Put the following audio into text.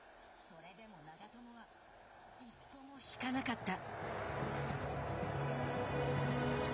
それでも長友は一歩も引かなかった。